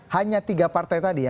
hanya tiga partai tadi ya